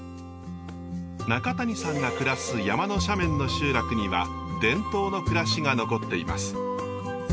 中谷さんが暮らす山の斜面の集落には伝統の暮らしが残っています。